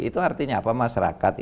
itu artinya apa masyarakat